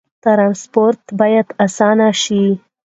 ترانسپورت باید اسانه شي.